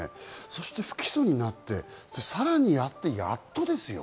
そして不起訴になって、さらにやって、やっとですよ。